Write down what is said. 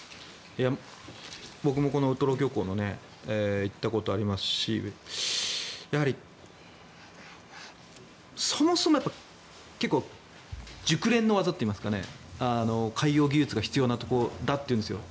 僕も、このウトロ漁港行ったことありますしやはりそもそも熟練の技といいますか海洋技術が必要なところだというんですよ。